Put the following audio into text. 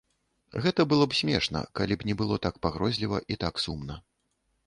Гэта было б смешна, калі б не было так пагрозліва і так сумна.